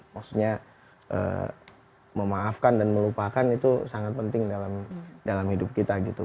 maksudnya memaafkan dan melupakan itu sangat penting dalam hidup kita gitu